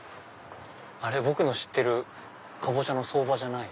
僕の知ってるカボチャの相場じゃない。